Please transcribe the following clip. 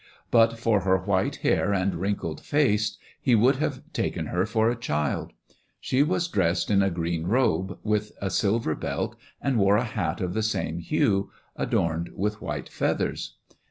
But for her white hair and wrinkled face he would hare taken her for a child. She was dressed in a green robe, with a silver belt, and wore a hat of the same hue, 30 THE dwarf's chamber adorned with white feathers.